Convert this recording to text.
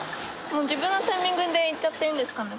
もう自分のタイミングで行っちゃっていいんですかね。